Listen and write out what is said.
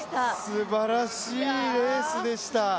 すばらしいレースでした。